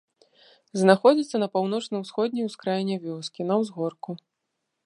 Знаходзіцца на паўночна-ўсходняй ускраіне вёскі, на ўзгорку.